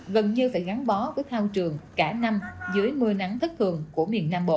gần như phải gắn bó với thao trường cả năm dưới mưa nắng thất cường của miền nam bộ